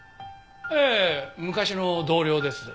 ええ昔の同僚です。